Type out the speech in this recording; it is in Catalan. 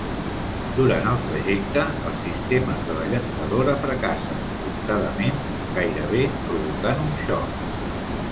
Durant el trajecte, els sistemes de la llançadora fracassen sobtadament, gairebé provocant un xoc.